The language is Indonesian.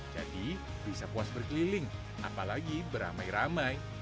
jadi bisa puas berkeliling apalagi beramai ramai